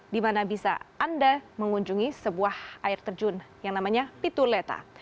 di mana bisa anda mengunjungi sebuah air terjun yang namanya pituleta